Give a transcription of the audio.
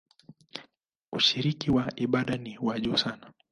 Ushiriki wa ibada ni wa juu sana.